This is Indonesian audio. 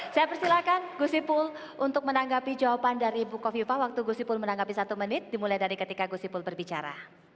saya persilakan gusipul untuk menanggapi jawaban dari bu kofifa waktu gusipul menanggapi satu menit dimulai dari ketika gusipul berbicara